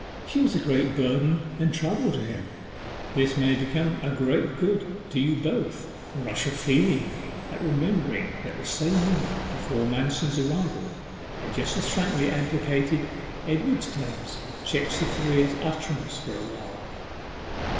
She was a great burden and trouble to him. This may become a great good to you both.' A rush of feeling at remembering that the same woman, before Manston's arrival, had just as frankly advocated Edward's claims, checked Cytherea's utterance for awhile.